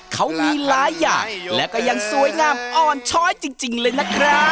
เขามีหลายอย่างและก็ยังสวยงามอ่อนช้อยจริงเลยนะครับ